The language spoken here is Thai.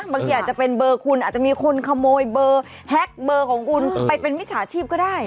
บางทีอาจจะเป็นเบอร์คุณอาจจะมีคนขโมยเบอร์แฮ็กเบอร์ของคุณไปเป็นมิจฉาชีพก็ได้